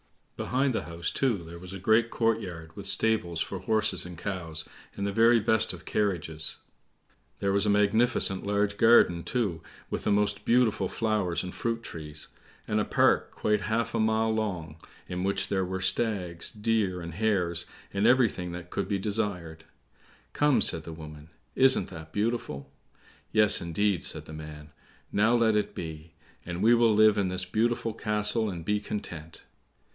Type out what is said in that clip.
Behind the house, too, there was a great court yard, with stables for horses and cows, and the very best of carriages; there was a magnificent large garden, too, with the most beautiful flowers and fruit trees, and a park quite half a mile long, in which were stags, deer, and hares, and everything that could be desired. "Come," said the woman, "isn't that beautiful?" "Yes, indeed," said the man, "now let it be; and we will live in this beautiful castle and be content."